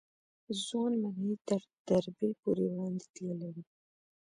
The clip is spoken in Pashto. ځوان مدعي تر دربي پورې وړاندې تللی و.